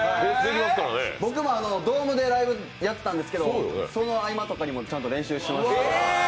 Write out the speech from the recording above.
僕もドームでライブやってたんですけどその合間ときにもちゃんと練習しまして。